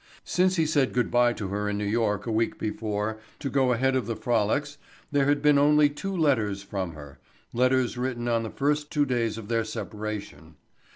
Since he said good bye to her in New York a week before to go ahead of the "Frolics" there had been only two letters from her, letters written on the first two days of their separation.